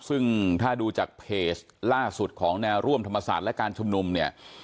ซึ่งถ้าดูจากเพจล่าสุดของแนวร่วมธรรมศาสตร์และการชุมนุมเนี่ย